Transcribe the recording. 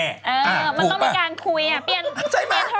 เออมันต้องมีการคุยเปลี่ยนโทรศัพท์หรอกเปลี่ยนไลน์หรอก